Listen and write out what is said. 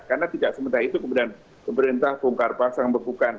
karena tidak sementara itu kemudian pemerintah bongkar pasang membekuan